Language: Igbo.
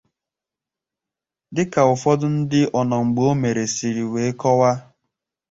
Dịka ụfọdụ ndị ọnọmgbeomere siri wee kọwaa